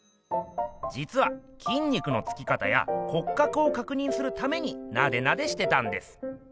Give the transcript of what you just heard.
じつはきん肉のつき方や骨格をかくにんするためになでなでしてたんです。